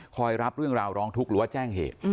รับเรื่องราวร้องทุกข์หรือว่าแจ้งเหตุ